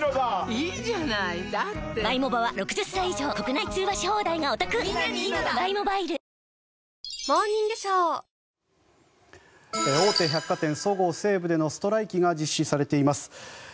いいじゃないだって大手百貨店そごう・西武でのストライキが実施されています。